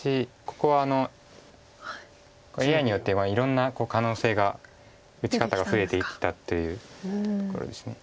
ここはＡＩによってはいろんな可能性が打ち方が増えてきたというところです。